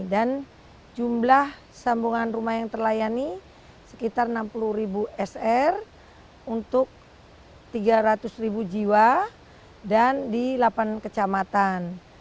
dan jumlah sambungan rumah yang terlayani sekitar enam puluh sr untuk tiga ratus jiwa dan di delapan kecamatan